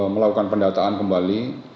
melakukan pendataan kembali